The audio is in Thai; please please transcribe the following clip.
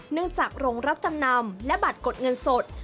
จากโรงรับจำนำและบัตรกดเงินสด